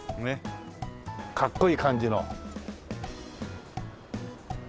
かっこいい感じの。